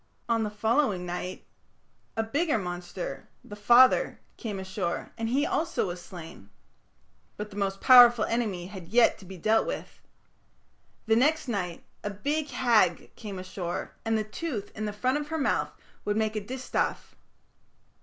On the following night a bigger monster, "the father", came ashore, and he also was slain. But the most powerful enemy had yet to be dealt with. "The next night a Big Hag came ashore, and the tooth in the front of her mouth would make a distaff.